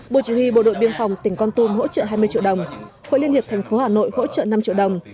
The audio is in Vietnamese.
bộ chỉ huy bộ đội biên phòng tỉnh con tum hỗ trợ hai mươi triệu đồng hội liên hiệp thành phố hà nội hỗ trợ năm triệu đồng